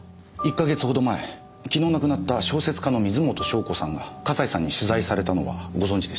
１か月ほど前昨日亡くなった小説家の水元湘子さんが笠井さんに取材されたのはご存じでしたか？